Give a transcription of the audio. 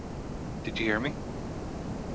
Did you hear me?